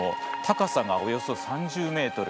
高さが、およそ３０ｍ。